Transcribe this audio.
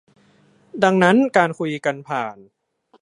ดังนั้นการคุยกันผ่าน